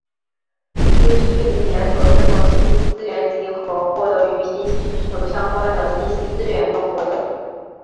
资讯检索是从信息资源集合获得与信息需求相关的信息资源的活动。